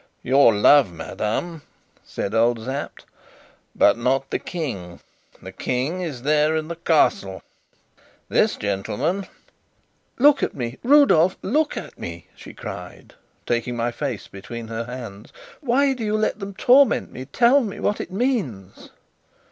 "Your love, madame," said old Sapt, "but not the King. The King is there in the Castle. This gentleman " "Look at me, Rudolf! look at me!" she cried, taking my face between her hands. "Why do you let them torment me? Tell me what it means!"